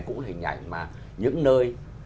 cũng là hình ảnh mà những nơi